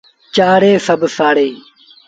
چآڙيٚن سڀ سآريٚݩ۔